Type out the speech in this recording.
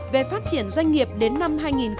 về phát triển doanh nghiệp đến năm hai nghìn ba mươi